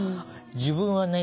自分はね